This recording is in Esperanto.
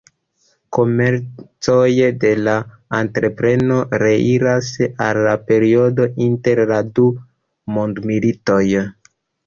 Komencoj de la entrepreno reiras al la periodo inter la du mondmilitoj.